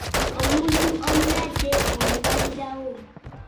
Omuntu omulwadde omulabirawo.